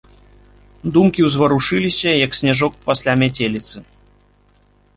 Думкі ўзварушыліся, як сняжок пасля мяцеліцы.